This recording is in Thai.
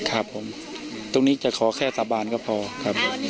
ครับผมตรงนี้จะขอแค่สาบานก็พอครับ